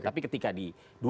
tapi ketika di dua ribu tiga